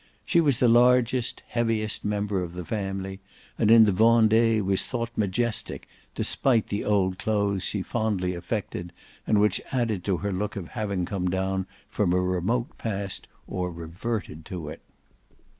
She was the largest, heaviest member of the family, and in the Vendee was thought majestic despite the old clothes she fondly affected and which added to her look of having come down from a remote past or reverted to it.